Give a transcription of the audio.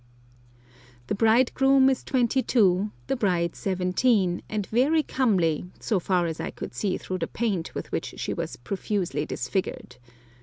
The bridegroom is twenty two, the bride seventeen, and very comely, so far as I could see through the paint with which she was profusely disfigured.